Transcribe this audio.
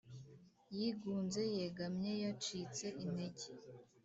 Yigunze yegamye yacitse intege